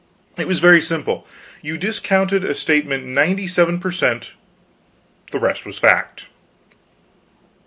It was very simple: you discounted a statement ninety seven per cent; the rest was fact.